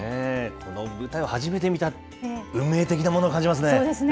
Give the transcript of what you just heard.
この舞台を初めて見た、運命的なものを感じますね。